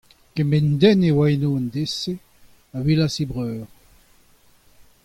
Kement den a oa eno en deiz-se a welas he breur.